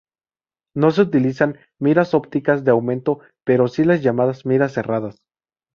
No se utilizan miras ópticas de aumento pero sí las llamadas miras cerradas.